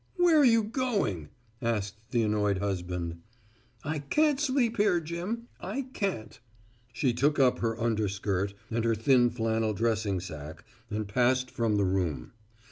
"Where are you going?" asked the annoyed husband. "I can't sleep here, Jim; I can't." She took up her underskirt and her thin flannel dressing sack and passed from the room.